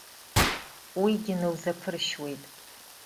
Уигьы наузаԥыршьуеит.